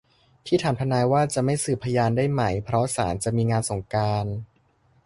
ที่ถามทนายว่าจะไม่สืบพยานได้ไหมเพราะศาลจะมีงานสงกรานต์